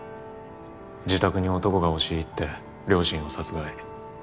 自宅に男が押し入って両親を殺害。